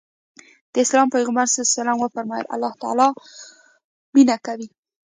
د اسلام پيغمبر ص وفرمايل الله تعالی مينه کوي.